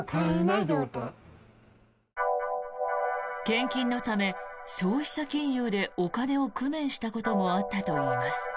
献金のため消費者金融でお金を工面したこともあったといいます。